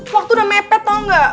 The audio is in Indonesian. waktu udah mepet tau gak